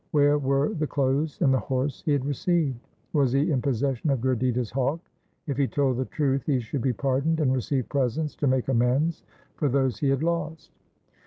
Where were the clothes and the horse he had received ? Was he in possession of Gurditta's hawk ? If he told the truth he should be pardoned and receive presents to make amends for those he had lost.